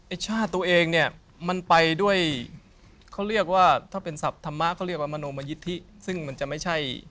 ชาติตัวเองเนี่ยมันไปด้วยเขาเรียกว่าถ้าเป็นศัพท์ธรรมะเขาเรียกว่ามโนมยิทธิซึ่งมันจะไม่ใช่